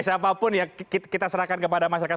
siapapun ya kita serahkan kepada masyarakat